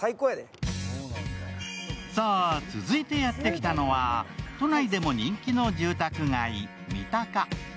さあ、続いてやってきたのは都内でも人気の住宅街・三鷹。